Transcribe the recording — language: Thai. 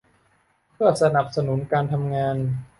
เพื่อสนับสนุนการทำงาน